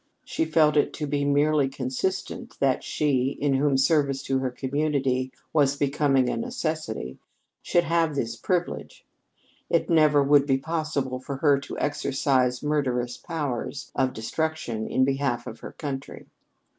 She felt it to be merely consistent that she, in whom service to her community was becoming a necessity, should have this privilege. It never would be possible for her to exercise murderous powers of destruction in behalf of her country.